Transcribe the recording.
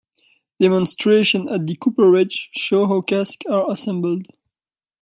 Demonstrations at the cooperage show how casks are assembled.